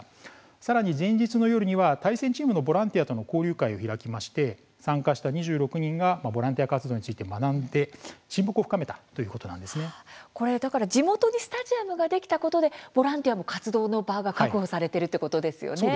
さらに前日の夜には対戦チームのボランティアとの交流会も開き参加した２６人がボランティア活動について学んで地元にスタジアムができたことでボランティアの活動の場が確保されているということですね。